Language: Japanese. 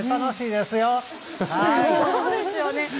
そうですよね。